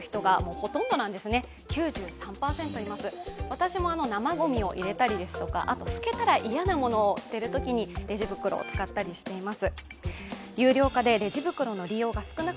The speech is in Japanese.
私も生ごみを入れたりとか、透けたら嫌なものを捨てるときにレジ袋を使ったりしています。